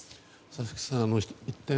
佐々木さん、一点。